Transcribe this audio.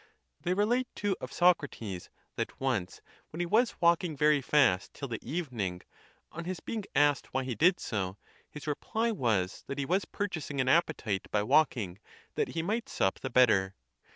They relate, too, of Socrates, that, ence when he was walking very fast till the evening, on his being asked why he did so, his reply was that he was purchasing an appetite by walking, that he might sup the better.